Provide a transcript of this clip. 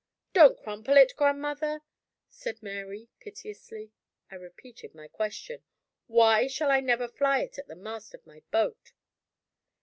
"Don't crumple it, grandmother!" said Mary, piteously. I repeated my question: "Why shall I never fly it at the mast of my boat?"